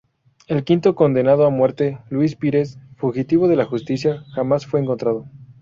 El quinto condenado a muerte, Luís Pires, fugitivo de la justicia, jamás fue encontrado.